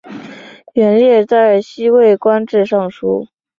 元烈在西魏官至尚书。